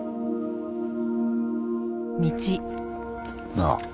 なあ。